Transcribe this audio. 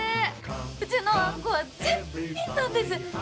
うちのあんこは絶品なんです。